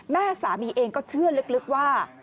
แม่สามีเองก็เชื่อลึกว่า